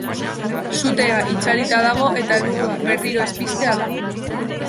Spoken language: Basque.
Sutea itzalita dago eta helburua berriro ez piztea da.